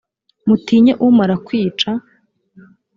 mutinye umara kwica.